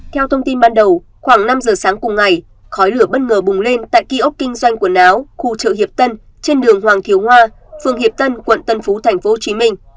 theo thông tin ban đầu khoảng năm giờ sáng cùng ngày khói lửa bất ngờ bùng lên tại kiosk kinh doanh quần áo khu chợ hiệp tân trên đường hoàng thiếu hoa phường hiệp tân quận tân phú tp hcm